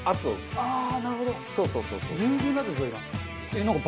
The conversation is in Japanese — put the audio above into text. ああーなるほど！